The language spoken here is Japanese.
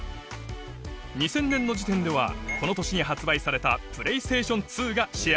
２０００年の時点ではこの年に発売されたＰｌａｙＳｔａｔｉｏｎ２がシェア